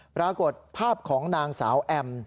ปรากฏภาพของนางสาวแอม